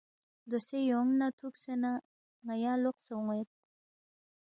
دوسے یونگ نہ تھُوکسے نہ ن٘یا لوقسے اون٘ید